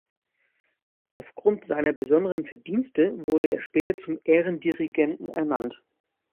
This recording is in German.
Aufgrund seiner besonderen Verdienste wurde er später zum Ehrendirigenten ernannt.